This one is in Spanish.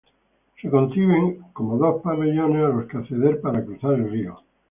Se conciben como dos pabellones a los que acceder para cruzar el río.